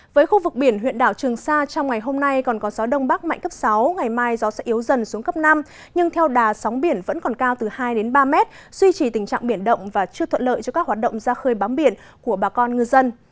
với khu vực biển huyện đảo trường sa trong ngày hôm nay còn có gió đông bắc mạnh cấp sáu ngày mai gió sẽ yếu dần xuống cấp năm nhưng theo đà sóng biển vẫn còn cao từ hai đến ba mét duy trì tình trạng biển động và chưa thuận lợi cho các hoạt động ra khơi bám biển của bà con ngư dân